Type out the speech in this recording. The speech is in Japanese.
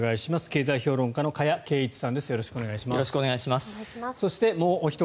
経済評論家の加谷珪一さんです。